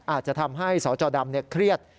อาจจะทำให้สจดำเครียด